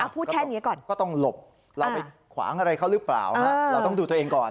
พูดแค่นี้ก่อนก็ต้องหลบเราไปขวางอะไรเขาหรือเปล่าเราต้องดูตัวเองก่อน